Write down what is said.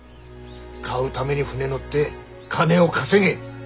買うために船乗って金を稼げ。